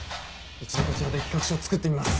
一度こちらで企画書を作ってみます。